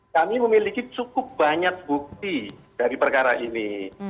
kami memiliki cukup banyak bukti dari perkara ini